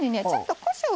あこしょう。